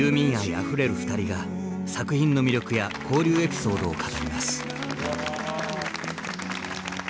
あふれる二人が作品の魅力や交流エピソードを語ります。